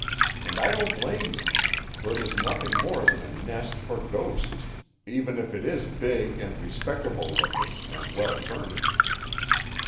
And I don't blame them, for it is nothing more than a nest for ghosts, even if it is big, and respectable looking, and well furnished."